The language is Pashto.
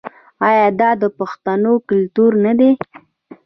آیا دا د پښتنو کلتور نه دی؟